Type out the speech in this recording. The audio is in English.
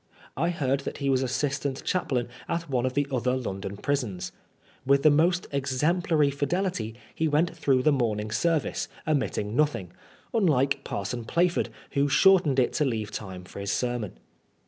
I heard that he was assistant chaplain at one of the other London prisons. With the most exemplary fidelity he went through the morning service, omitting nothing ; unlike Parson Plaf ord, who shortened it to leave time for his sermon.